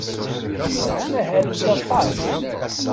Tettmahalemt aṭas.